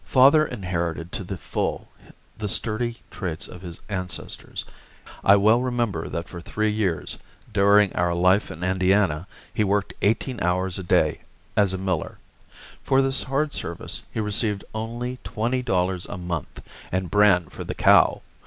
Father inherited to the full the sturdy traits of his ancestors. I well remember that for three years, during our life in Indiana, he worked eighteen hours a day as a miller. For this hard service he received only twenty dollars a month and bran for the cow.